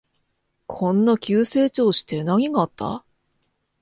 こんな急成長して何があった？